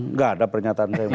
nggak ada pernyataan saya